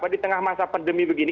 di tengah masa pandemi begini